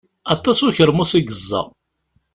Aṭas n ukermus i yeẓẓa.